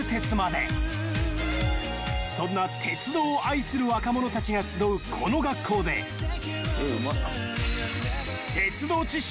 ［そんな鉄道を愛する若者たちが集うこの学校で鉄道知識